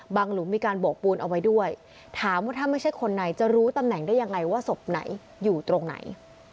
หลุมมีการโบกปูนเอาไว้ด้วยถามว่าถ้าไม่ใช่คนไหนจะรู้ตำแหน่งได้ยังไงว่าศพไหนอยู่ตรงไหน